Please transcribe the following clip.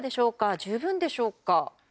十分なんでしょうか？